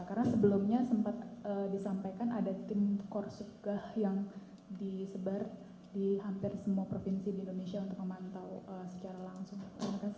karena sebelumnya sempat disampaikan ada tim korsugah yang disebar di hampir semua provinsi di indonesia